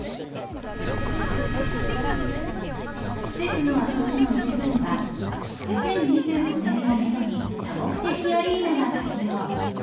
施設の跡地の一部には２０２５年をめどに多目的アリーナが開業。